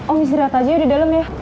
om istirahat aja ya di dalam ya